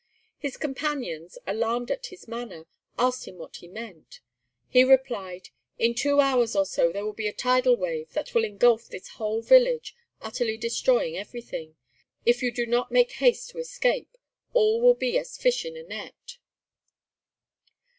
His companions, alarmed at his manner, asked him what he meant. He replied, "In two hours or so there will be a tidal wave that will engulf this whole village, utterly destroying everything. If you do not make haste to escape all will be as fish in a net."